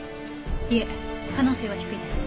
いえ可能性は低いです。